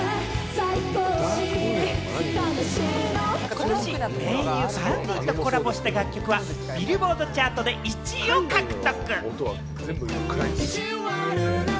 ことし、盟友・Ｖａｕｎｄｙとコラボした楽曲はビルボードチャートで１位を獲得。